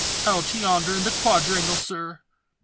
"Out yonder, in the quadrangle, sir."